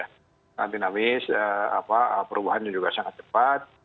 sangat dinamis perubahan juga sangat cepat